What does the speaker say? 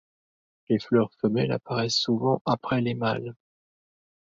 Les fleurs femelles apparaissent souvent après les mâles.